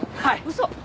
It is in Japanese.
嘘！？